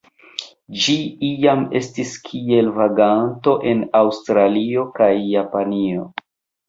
Ĝi iam estis kiel vaganto en Aŭstralio kaj Japanio.